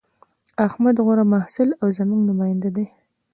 احمد غوره محصل او زموږ نماینده دی